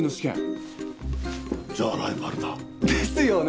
じゃあライバルだ。ですよね。